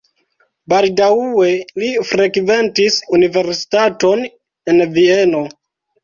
Baldaŭe li frekventis universitaton en Vieno.